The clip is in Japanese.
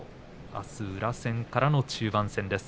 あす宇良戦からの中盤戦です。